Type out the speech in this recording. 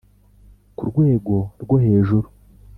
Ku Rwego Rwo Hejuru